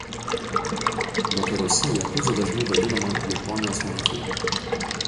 Vakaruose jakudza dažnai vadinama „Japonijos mafija“.